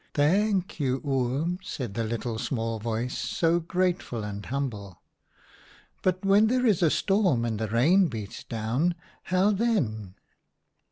"* Thank you, Oom/ said the little small voice, so grateful and humble. ' But when there is a storm and the rain beats down, how then